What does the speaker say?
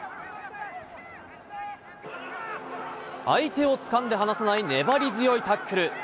相手をつかんで離さない粘り強いタックル。